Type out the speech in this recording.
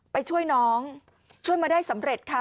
ไปช่วยน้องช่วยมาได้สำเร็จค่ะ